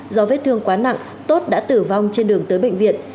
do vết thương quá nặng tốt đã tử vong trên đường tới bệnh viện